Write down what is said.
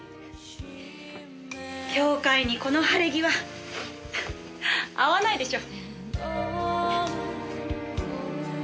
教会にこの晴れ着は合わないでしょ。